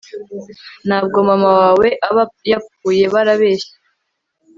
ntabwo mama wawe aba yapfuye barabeshya